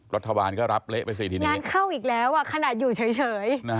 รัฐบาลก็รับเละไปสิทีนี้งานเข้าอีกแล้วขนาดอยู่เฉย